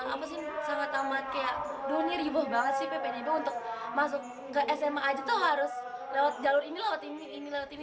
apa sih sangat amat kayak dunia ribut banget sih ppdb untuk masuk ke sma aja tuh harus lewat jalur ini lewat ini ini lewat ini